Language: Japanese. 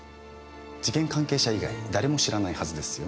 事件関係者以外誰も知らないはずですよ。